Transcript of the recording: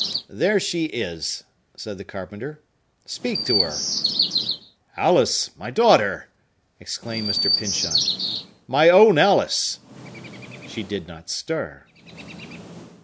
"There she is!" said the carpenter. "Speak to her!" "Alice! My daughter!" exclaimed Mr. Pyncheon. "My own Alice!" She did not stir.